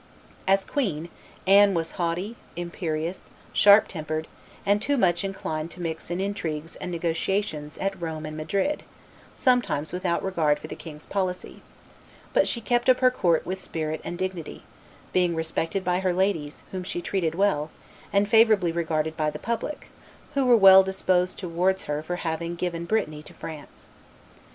As queen, Anne was haughty, imperious, sharp tempered, and too much inclined to mix in intrigues and negotiations at Rome and Madrid, sometimes without regard for the king's policy; but she kept up her court with spirit and dignity, being respected by her ladies, whom she treated well, and favorably regarded by the public, who were well disposed towards her for having given Brittany to France.